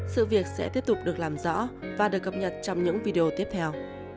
sự việc sẽ tiếp tục được làm rõ và được cập nhật trong những video tiếp theo